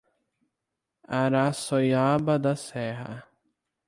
Araçoiaba da Serra